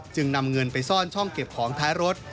จึงนำเงินไปซ่อนช่องเก็บของท้ายรถ